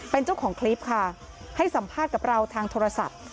เป็นเจ้าของคลิปค่ะให้สัมภาษณ์กับเราทางโทรศัพท์